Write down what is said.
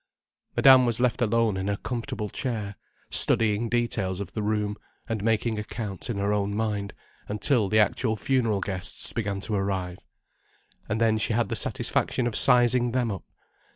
Madame was left alone in her comfortable chair, studying details of the room and making accounts in her own mind, until the actual funeral guests began to arrive. And then she had the satisfaction of sizing them up.